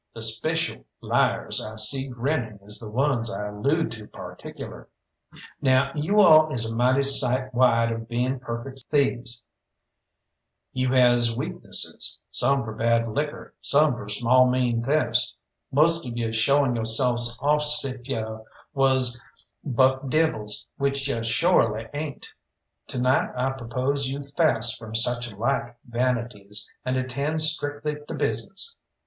The speshul liars I see grinning is the ones I allude to particular. "Now you all is a mighty sight wide of bein' perfect thieves; you has weaknesses, some for bad liquor, some for small mean thefts, most for showin' yo'selves off 'sif you was buck devils, which you shorely ain't. To night I propose you fast from such like vanities, and attend strictly to business.